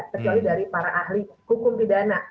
kecuali dari para ahli hukum pidana